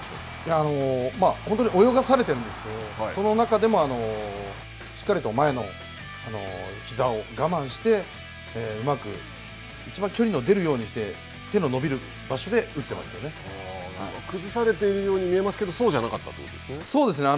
本当に泳がされているんですけど、その中でもしっかりと前のひざを我慢して、うまく、いちばん距離の出るようにして、手の伸びる場崩されているように見えますけども、そうじゃなかったということですね。